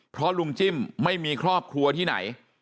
เพราะลุงจิ้มไม่มีครอบครัวที่ไหน